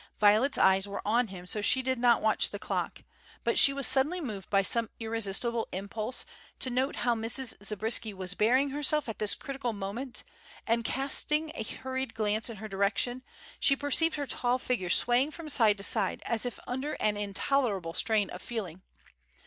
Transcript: Violet's eyes were on him so she did not watch the clock, but she was suddenly moved by some irresistible impulse to note how Mrs. Zabriskie was bearing herself at this critical moment, and casting a hurried glance in her direction she perceived her tall figure swaying from side to side, as if under an intolerable strain of feeling.